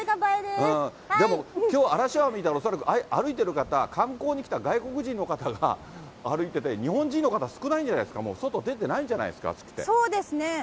でもきょう、嵐山見たら、恐らく歩いてる方、観光に来た外国人の方が歩いてて、日本人の方、少ないんじゃないですか、もう外出てないんじゃないそうですね。